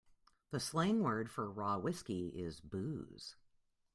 The slang word for raw whiskey is booze.